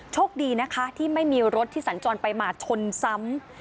โชคดีนะคะที่ไม่มีรถที่สัญจรไปมาชนซ้ำ